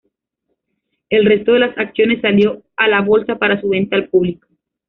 El resto de las acciones salió a la bolsa para su venta al público.